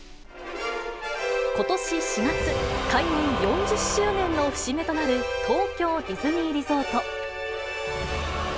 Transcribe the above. ことし４月、開園４０周年の節目となる東京ディズニーリゾート。